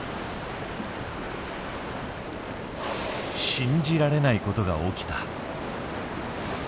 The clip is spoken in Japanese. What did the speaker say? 信じられないことが起きた。